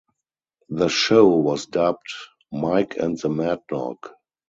The show was dubbed "Mike and the Mad Dog".